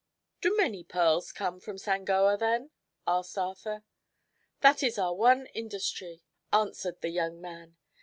"Do many pearls come from Sangoa, then?" asked Arthur. "That is our one industry," answered the young man.